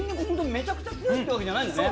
めちゃくちゃ強いってわけじゃないんだね。